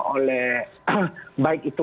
oleh baik itu